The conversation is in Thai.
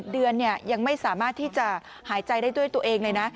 เดือนยังไม่สามารถที่จะหายใจได้ด้วยตัวเองเลยนะ